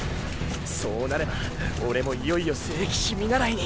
そうなれば俺もいよいよ聖騎士見習いに。